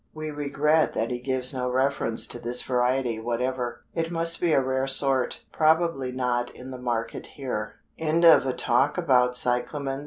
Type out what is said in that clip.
We regret that he gives no reference to this variety whatever. It must be a rare sort, probably not in the market here. A Talk About Lilies.